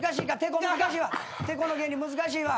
てこの原理難しいわ。